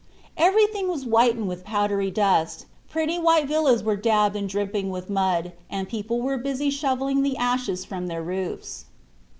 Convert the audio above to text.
Everything was whitened with powdery dust; pretty white villas were daubed and dripping with mud, and people were busy shoveling the ashes from their roofs.